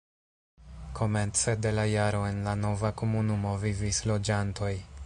Komence de la jaro en la nova komunumo vivis loĝantoj.